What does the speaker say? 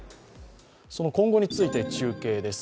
その今後について中継です。